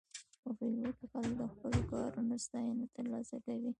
په فېسبوک کې خلک د خپلو کارونو ستاینه ترلاسه کوي